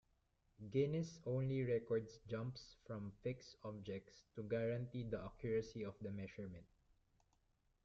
Guinness only records jumps from fixed objects to guarantee the accuracy of the measurement.